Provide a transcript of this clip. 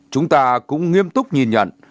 chúng ta cũng nghiêm túc nhìn nhận